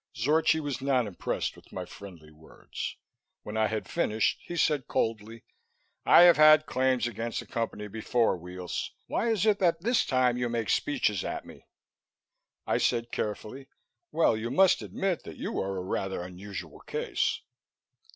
Zorchi was not impressed with my friendly words. When I had finished, he said coldly, "I have had claims against the Company before, Weels. Why is it that this time you make speeches at me?" I said carefully, "Well, you must admit you are a rather unusual case."